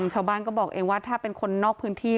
ชาวบ้านก็บอกเองว่าถ้าเป็นคนนอกพื้นที่